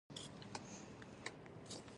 په منځ کې داسې اقشار شته چې نه کارګر دي.